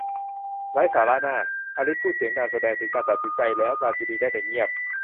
ไร้สาระน่า อลิซพูดเสียงดังแสดงถึงการตัดสินใจแล้ว ราชินีได้แต่เงียบ